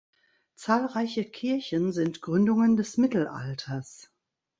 Zahlreiche Kirchen sind Gründungen des Mittelalters.